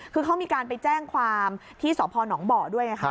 คือเขามีการไปแจ้งความที่สอบพรหนองบ่อด้วย